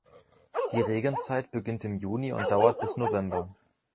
Die Regenzeit beginnt im Juni und dauert bis November.